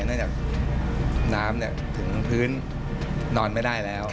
เนื่องจากน้ำถึงพื้นนอนไม่ได้แล้ว